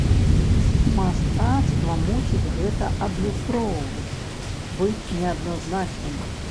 Мастацтва мусіць гэта адлюстроўваць, быць неадназначным.